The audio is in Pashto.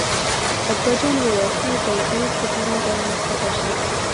اکبر جان وویل: خیر دی ترور په کراره راکښته شه.